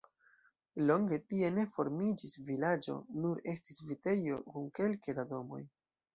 Longe tie ne formiĝis vilaĝo, nur estis vitejo kun kelke da domoj.